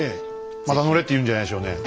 また乗れって言うんじゃないでしょうね。